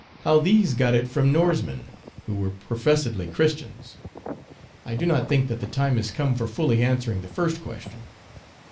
9 how these got it from Norsemen, who were professedly Christians. I do not think that the time has come for fully answering the first question.